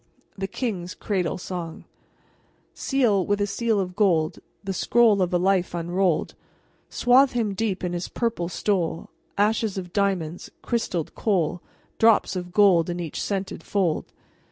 THE KING'S CRADLE SONG Seal with a seal of gold The scroll of a life unrolled; Swathe him deep in his purple stole; Ashes of diamonds, crystalled coal, Drops of gold in each scented fold.